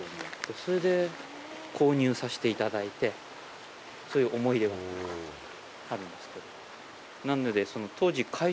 それで購入させていただいて、そういう思い出があるんですけど。